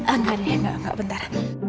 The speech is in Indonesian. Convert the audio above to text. engga deh engga engga bentar